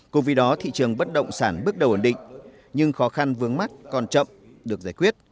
cùng vì đó thị trường bất động sản bước đầu ẩn định nhưng khó khăn vướng mắt còn chậm được giải quyết